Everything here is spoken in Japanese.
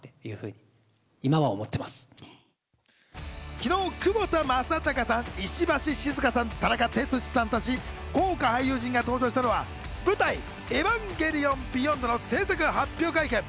昨日、窪田正孝さん、石橋静河さん、田中哲司さんたち豪華俳優陣が登場したのは、『舞台・エヴァンゲリオンビヨンド』の製作発表会見。